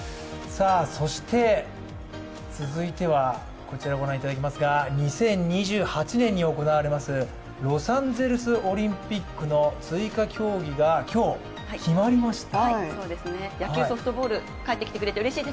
そして続いては２０２８年に行われますロサンゼルスオリンピックの追加競技が今日、決まりました。